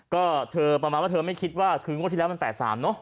ก็เธอประมาณว่าเธอไม่คิดว่าคืองวดที่แล้วมัน๘๓เนอะ